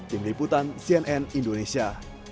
tim liputan cnn indonesia